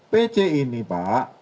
pc ini pak